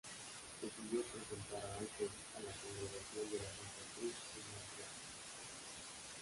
Decidió presentar a Alfred a la Congregación de la Santa Cruz en Montreal.